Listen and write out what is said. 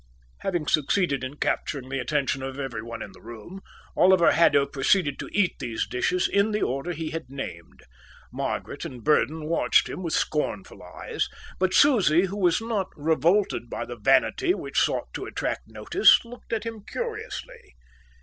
Having succeeded in capturing the attention of everyone in the room, Oliver Haddo proceeded to eat these dishes in the order he had named. Margaret and Burdon watched him with scornful eyes, but Susie, who was not revolted by the vanity which sought to attract notice, looked at him curiously.